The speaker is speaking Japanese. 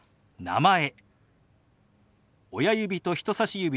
「名前」。